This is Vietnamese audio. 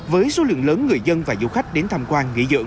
với số lượng lớn người dân và du khách đến tham quan nghỉ dưỡng